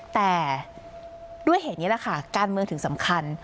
แต่ด้วยเหตุนี้แหละค่ะการเมืองถึงสำคัญ